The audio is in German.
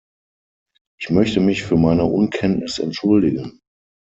Ich möchte mich für meine Unkenntnis entschuldigen.